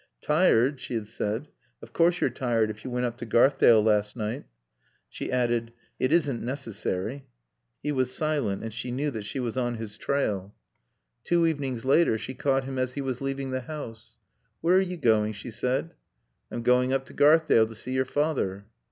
"Tired?" she had said. "Of course you're tired if you went up to Garthdale last night." She added, "It isn't necessary." He was silent and she knew that she was on his trail. Two evenings later she caught him as he was leaving the house. "Where are you going?" she said. "I'm going up to Garthdale to see your father."